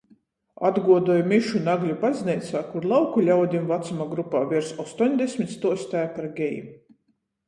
Atguodoju mišu Nagļu bazneicā, kur lauku ļaudim vacuma grupā viers ostoņdesmit stuosteja par gejim.